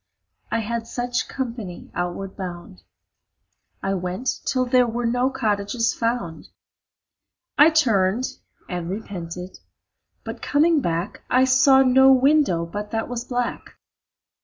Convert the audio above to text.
I had such company outward bound. I went till there were no cottages found. I turned and repented, but coming back I saw no window but that was black.